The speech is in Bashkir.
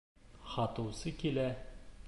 Һатыусы килә